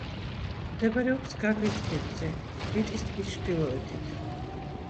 მდებარეობს გაგრის ქედზე, რიწის ტბის ჩრდილოეთით.